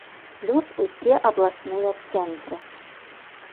Плюс усе абласныя цэнтры.